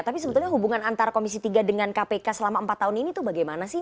tapi sebetulnya hubungan antara komisi tiga dengan kpk selama empat tahun ini tuh bagaimana sih